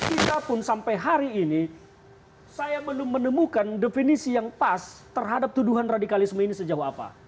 kita pun sampai hari ini saya belum menemukan definisi yang pas terhadap tuduhan radikalisme ini sejauh apa